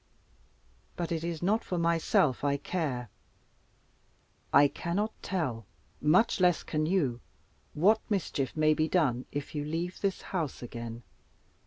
But it is not for myself I care. I cannot tell, much less can you, what mischief may be done if you leave this house again.